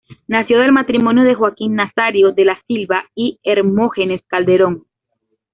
Nació del matrimonio de Joaquín Nazario de la Silva y Hermógenes Calderón.